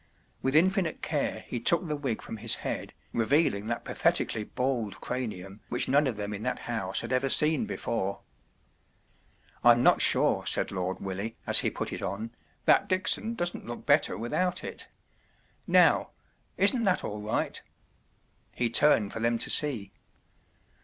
With infinite care he took the wig from his head, revealing that patheti¬ cally bald cranium which none of them in that house had ever seen before. “ I’m not sure,” said Lord Willie, as he put it on, 41 that Dickson doesn’t look better without it* Now r —isn’t that all right?” He turned for them to see.